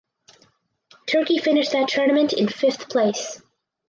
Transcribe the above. Turkey finished that tournament in fifth place.